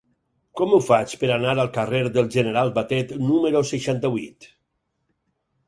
Com ho faig per anar al carrer del General Batet número seixanta-vuit?